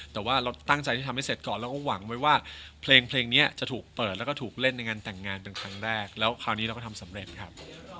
แต่ว่าเราตั้งใจที่ทำให้เสร็จก่อนเราก็หวังไว้ว่าเพลงนี้จะถูกเปิดแล้วก็ถูกเล่นในงานแต่งงานเป็นครั้งแรกแล้วคราวนี้เราก็ทำสำเร็จครับ